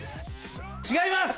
違います。